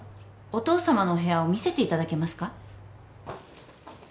お父さまのお部屋を見せていただけますか？